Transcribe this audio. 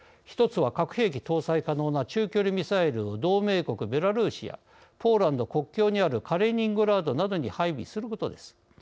１つは、核兵器搭載可能な中距離ミサイルを同盟国ベラルーシやポーランド国境にあるカリーニングラードなどに配備することです。